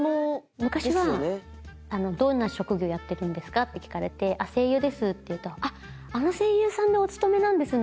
昔は「どんな職業やってるんですか？」って聞かれて「声優です」って言うと「あっあのＳＥＩＹＵさんでお勤めなんですね」